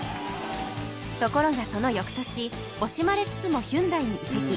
ところがその翌年惜しまれつつもヒュンダイに移籍